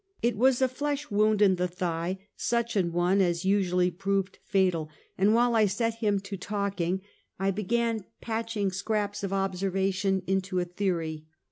It was a flesh wound in the thigh, such an one as usually proved fatal, and while I set him to talking I 272 Half a Centuet. began patcliing scraps of observation into a theory.